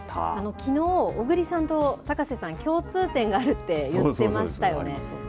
きのう、小栗さんと高瀬さん、共通点があるって言ってましたよね。